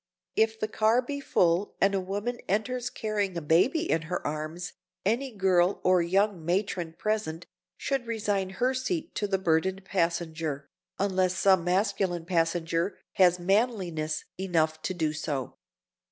If the car be full and a woman enters carrying a baby in her arms, any girl or young matron present should resign her seat to the burdened passenger, unless some masculine passenger has manliness enough to do so.